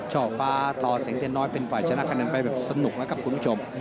ช่อฟ้าต่อแสงเทียนน้อยเป็นฝ่ายชนะคะแนนไปแบบสนุกแล้วครับคุณผู้ชม